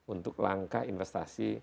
untuk langkah investasi